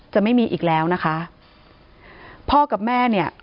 จะไม่มีอีกแล้วนะคะพ่อกับแม่เนี่ย